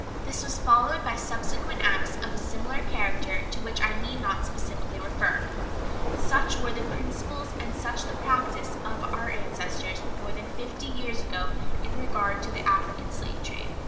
This was followed by subsequent acts of a similar character, to which I need not specially refer. Such were the principles and such the practice of our ancestors more than fifty years ago in regard to the African slave trade.